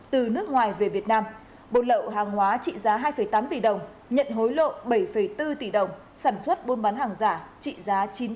từ nước ngoài về việt nam bồn lậu hàng hóa trị giá hai tám tỷ đồng nhận hối lộ bảy bốn tỷ đồng sản xuất bôn bán hàng giả trị giá chín trăm tám mươi sáu tỷ đồng